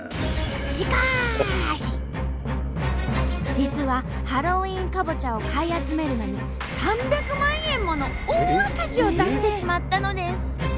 実はハロウィーンかぼちゃを買い集めるのに３００万円もの大赤字を出してしまったのです！